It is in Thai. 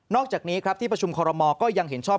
อกจากนี้ครับที่ประชุมคอรมอลก็ยังเห็นชอบ